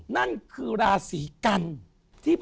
นั่นคือราศิกัณฑ์